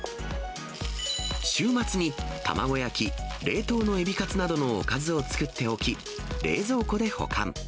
週末に卵焼き、冷凍の海老かつなどのおかずを作っておき、冷蔵庫で保管。